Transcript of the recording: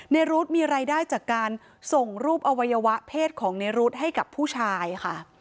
รุ๊ดมีรายได้จากการส่งรูปอวัยวะเพศของในรุ๊ดให้กับผู้ชายค่ะ